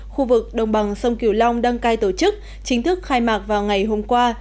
khu vực đồng bằng sông kiều long đăng cai tổ chức chính thức khai mạc vào ngày hôm qua